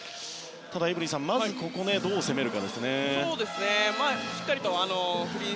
ただ、エブリンさんまずここをどう攻めるかですね。